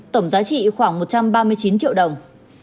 tổng giá trị khoảng một trăm ba mươi chín triệu đồng